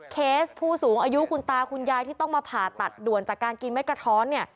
เคสผู้สูงอายุคุณตาคุณยายที่ต้องมาผ่าตัดด่วนจากการกินเม็ดกระท้อน